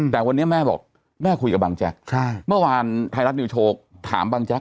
แต่วันนี้แม่บอกคุยกับบังแจ๊ก